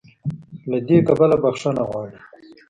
له دې کبله "بخښنه غواړي"